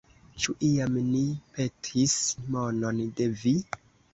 Ĉu iam ni petis monon de vi?